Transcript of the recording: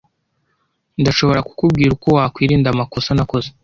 Ndashobora kukubwira uko wakwirinda amakosa nakoze.